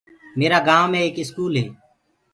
ميرآ گائونٚ مي ايڪ اسڪول هي۔